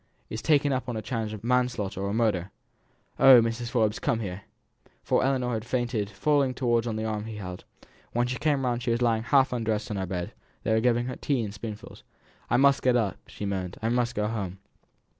"Is taken up on a charge of manslaughter or murder. Oh! Mrs. Forbes, come here!" For Ellinor had fainted, falling forwards on the arm she had held. When she came round she was lying half undressed on her bed; they were giving her tea in spoonfuls. "I must get up," she moaned. "I must go home."